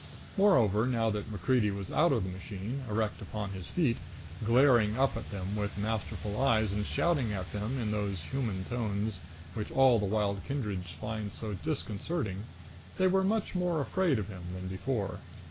Moreover, now that MacCreedy was out of the machine, erect upon his feet, glaring up at them with masterful eyes, and shouting at them in those human tones which all the wild kindreds find so disconcerting, they were much more afraid of him than before.